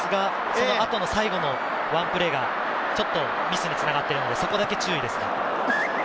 最後のワンプレーがちょっとミスにつながっているので、そこだけ注意です。